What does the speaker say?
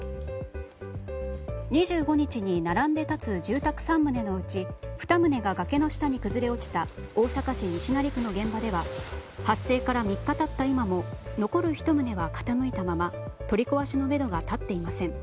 ２５日に、並んで建つ住宅３棟のうち２棟が、崖の下に崩れ落ちた大阪市西成区の現場では発生から３日経った今も残る１棟が傾いたまま、取り壊しのめどが立っていません。